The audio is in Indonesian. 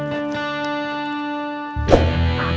jangan lupa like